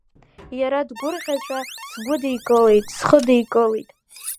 Иара дгәырӷьаҵәа сгәыдикылеит, схыдикылеит.